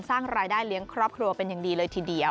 สร้างรายได้เลี้ยงครอบครัวเป็นอย่างดีเลยทีเดียว